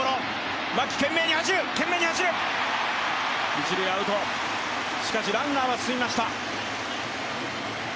一塁アウト、しかし、ランナーは進みました。